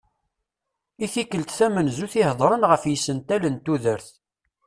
I tikkelt tamenzut i heddren ɣef yisental n tudert.